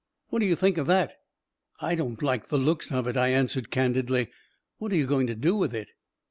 " What do you think of that 1 "" I don't like the looks of it," I answered candidly. " What are you going to do with it?